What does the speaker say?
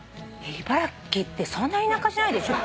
茨城ってそんな田舎じゃないでしょ？